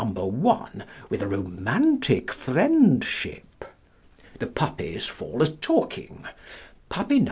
1 with a "romantic friendship". The Puppies fall a talking: Puppy No.